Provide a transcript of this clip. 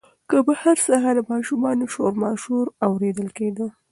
له بهر څخه د ماشومانو شورماشور اورېدل کېده.